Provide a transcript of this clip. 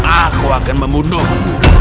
aku akan membunuhmu